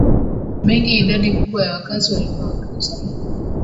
mengi idadi kubwa ya wakazi walikuwa Wakristo